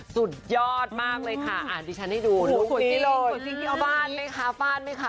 สุดยอดมากเลยค่ะอาร์ดิชันให้ดูลุคนี้เลยฟาดไหมคะฟาดไหมคะ